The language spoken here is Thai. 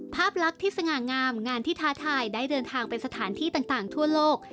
ภาพลักษณ์ที่สง่างามงานที่ท้าทายได้เดินทางไปสถานที่ต่างทั่วโลก